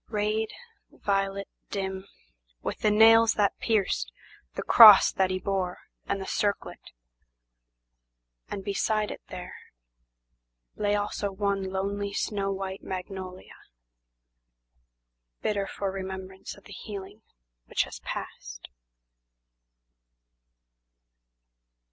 Rayed, violet, dim, With the nails that pierced, the cross that he bore and the circlet, And beside it there, lay also one lonely snow white magnolia, Bitter for remembrance of the healing which has passed.